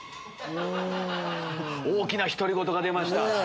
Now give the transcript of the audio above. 大きな独り言が出ました